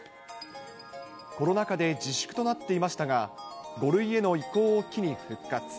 コロナ禍で自粛となっていましたが、５類への移行を機に復活。